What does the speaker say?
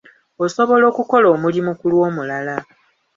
Osobola okukola omulimu ku lw'omulala.